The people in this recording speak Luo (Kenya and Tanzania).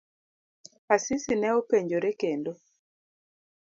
Asisi ne openjore kendo.